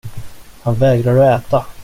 Han vägrar att äta.